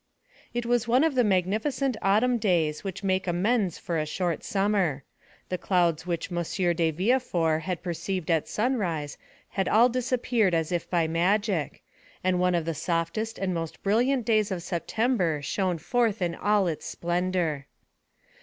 It was one of the magnificent autumn days which make amends for a short summer; the clouds which M. de Villefort had perceived at sunrise had all disappeared as if by magic, and one of the softest and most brilliant days of September shone forth in all its splendor.